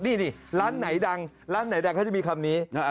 นี่ร้านไหนดังที่จะมีคำนี้